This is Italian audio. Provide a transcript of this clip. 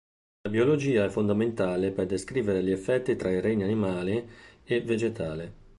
La biologia è fondamentale per descrivere gli effetti tra i regni animale e vegetale.